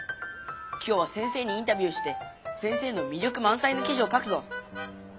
今日は先生にインタビューして先生のみりょくまんさいの記事を書くぞ！